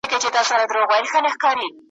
پردی کسب `